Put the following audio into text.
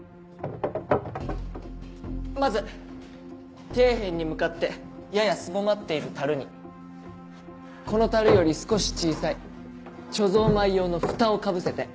まず底辺に向かってやや窄まっている樽にこの樽より少し小さい貯蔵米用の蓋をかぶせて。